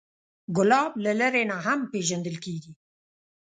ګلاب له لرې نه هم پیژندل کېږي.